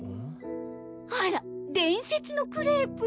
あら「伝説のクレープ」